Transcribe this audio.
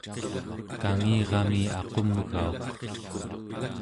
kangirami aqumgauq